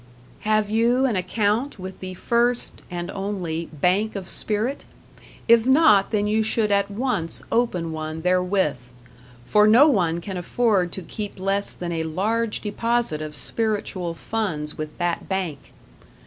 Have you an account with the First (and only) Bank of Spirit? If not, then you should at once open one therewith. For no one can afford to keep less than a large deposit of spiritual funds with that Bank.